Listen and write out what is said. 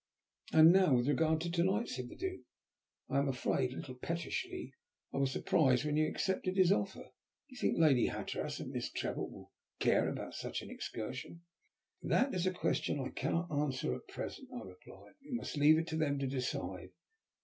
"And now with regard to to night," said the Duke, I am afraid a little pettishly. "I was surprised when you accepted his offer. Do you think Lady Hatteras and Miss Trevor will care about such an excursion?" "That is a question I cannot answer at present," I replied. "We must leave it to them to decide.